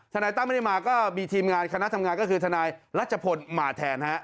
นายตั้มไม่ได้มาก็มีทีมงานคณะทำงานก็คือทนายรัชพลมาแทนฮะ